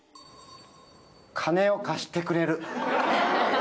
金を貸してくれる。